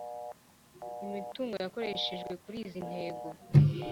imitungo yakoreshejwe kuri izi ntego